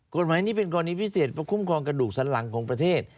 กฎหมายนี้เป็นกรณีพิเศษเพราะคุ้มครองกระดูกสันหลังของประเทศ